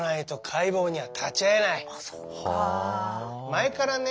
前からね